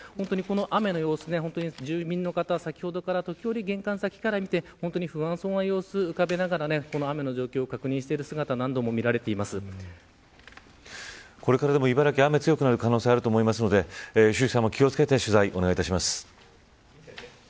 雨の様子、住民の方が先ほどから時折、玄関先から見て不安そうな様子を浮かべながら雨の状況を確認している姿がこれから茨城雨が強くなる可能性があるので気を付けて取材をお願いします。